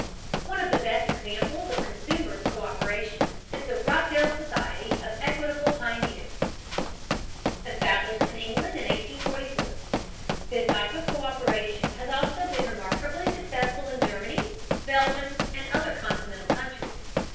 One of the best examples of consumers' co÷peration is the Rochdale Society of Equitable Pioneers, established in England in 1844. This type of co÷peration has also been remarkably successful in Germany, Belgium, and other continental countries.